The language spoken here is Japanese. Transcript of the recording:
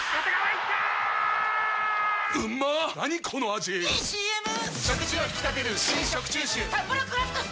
⁉いいＣＭ！！